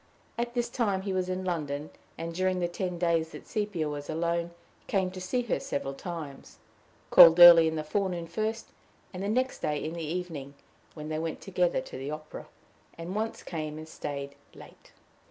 At this time he was in London, and, during the ten days that Sepia was alone, came to see her several times called early in the forenoon first, the next day in the evening, when they went together to the opera, and once came and staid late.